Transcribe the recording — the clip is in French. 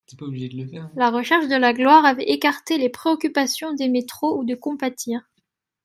La recherche de la gloire avait écarté les préoccupations d'aimer trop ou de compatir.